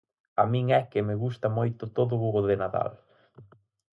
A min é que me gusta moito todo o de Nadal.